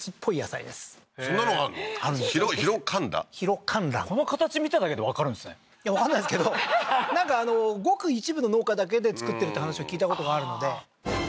広甘藍この形見ただけでわかるんですねいやわかんないですけどなんかごく一部の農家だけで作ってるって話を聞いたことがあるのでああー